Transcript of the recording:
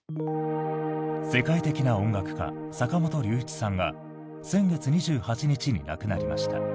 世界的な音楽家坂本龍一さんが先月２８日に亡くなりました。